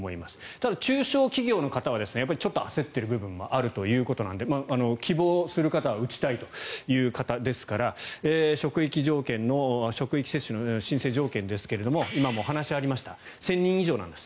ただ、中小企業の方はちょっと焦っている部分もあるということで希望する方打ちたいという方ですから職域接種の申請条件ですが今もお話にありました１０００人以上なんです。